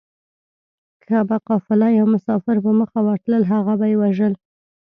که به قافله يا مسافر په مخه ورتلل هغه به يې وژل